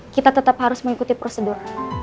kita tetap harus mengikuti prosedur